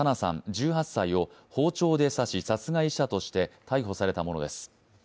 １８歳を包丁で刺し、殺害したとして逮捕されたものです。